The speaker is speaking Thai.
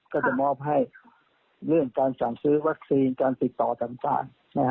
ก็จะมอบให้เรื่องการสั่งซื้อวัคซีนการติดต่อต่าง